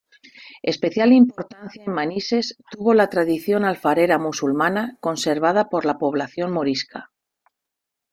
Especial importancia en Manises tuvo la tradición alfarera musulmana conservada por la población morisca.